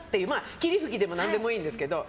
霧吹きでも何でもいいんですけど。